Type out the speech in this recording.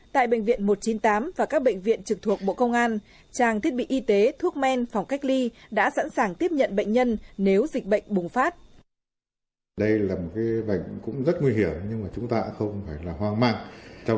tại bệnh viện một trăm chín mươi tám và các bệnh viện trực thuộc bộ công an trang thiết bị y tế thuốc men phòng cách ly đã sẵn sàng tiếp nhận bệnh nhân nếu dịch bệnh bùng phát